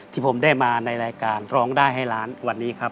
ที่ผมได้มาในรายการร้องได้ให้ล้านวันนี้ครับ